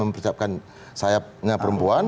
saya mempersiapkan sayapnya perempuan